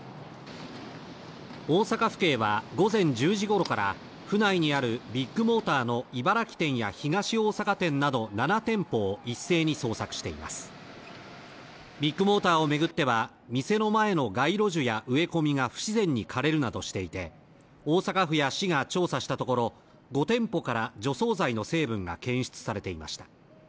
大阪府警は午前１０時ごろから府内にあるビッグモーターの茨木店や東大阪店など７店舗を一斉に捜索していますビッグモーターを巡っては店の前の街路樹や植え込みが不自然に枯れるなどしていて大阪府や市が調査したところ５店舗から除草剤の成分が検出されていました